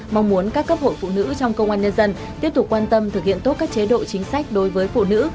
mong muốn các cấp hội phụ nữ trong công an nhân dân tiếp tục quan tâm thực hiện tốt các chế độ chính sách đối với phụ nữ